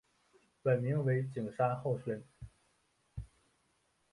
本名为景山浩宣。